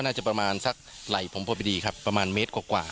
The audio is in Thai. น่าจะประมาณสักไหลจ์โปรภดีครับประมาณเมตร